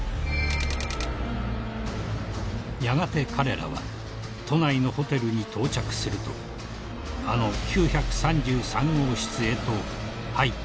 ［やがて彼らは都内のホテルに到着するとあの９３３号室へと入っていった］